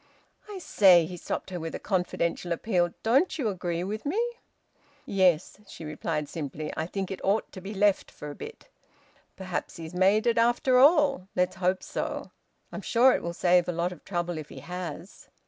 "I say," he stopped her, with a confidential appeal. "Don't you agree with me?" "Yes," she replied simply. "I think it ought to be left for a bit. Perhaps he's made it, after all. Let's hope so. I'm sure it will save a lot of trouble if he has."